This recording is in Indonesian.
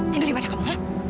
tante dimana kau